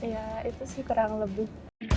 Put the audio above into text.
ya itu sih kurang lebih